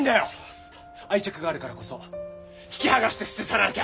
愛着があるからこそ引き剥がして捨て去らなきゃ！